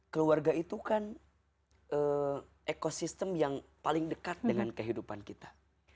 keluarga itu kan ekosistem yang paling dekat dengan kehidupan kita